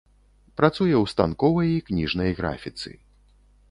Працуе ў станковай і кніжнай графіцы.